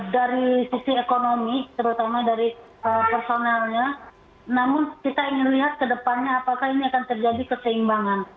dari sisi ekonomi terutama dari personelnya namun kita ingin melihat ke depannya apakah ini akan terjadi keseimbangan